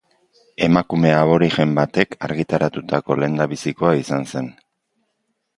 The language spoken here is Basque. Emakume aborigen batek argitaratutako lehendabizikoa izan zen.